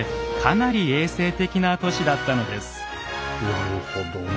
なるほどな！